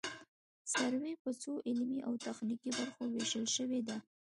سروې په څو علمي او تخنیکي برخو ویشل شوې ده